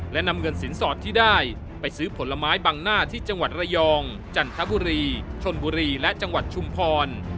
และนำเงินสินสอดที่ได้ไปซื้อผลไม้บังหน้าที่จังหวัดระยองจันทบุรีชนบุรีและจังหวัดชุมพร